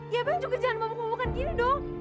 ya bang juga jangan mabuk mabukan gini dong